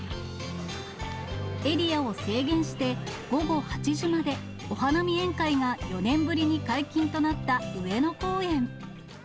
エリアを制限して、午後８時まで、お花見宴会が４年ぶりに解禁となった上野公園。